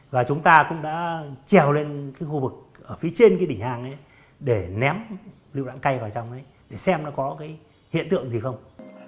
và chúng ta cũng đã trèo lên khu vực ở phía trên đỉnh hang để ném lựu đạn cây vào trong để xem nó có hiện tượng gì không